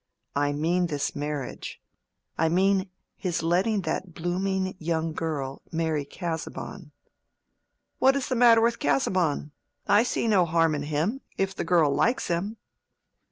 "I mean this marriage. I mean his letting that blooming young girl marry Casaubon." "What is the matter with Casaubon? I see no harm in him—if the girl likes him."